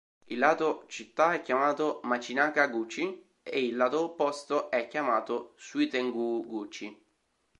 Il lato città è chiamato "Machinaka-guchi", e il lato opposto è chiamato "Suitengū'guchi".